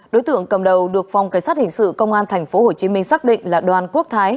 đối tượng cầm đầu được phòng cảnh sát hình sự công an tp hcm xác định là đoàn quốc thái